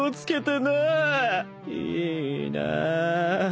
いいなぁ。